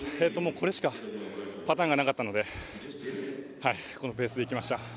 これしかパターンがなかったのでこのペースで行きました。